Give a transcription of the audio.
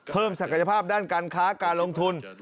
ศักยภาพด้านการค้าการลงทุน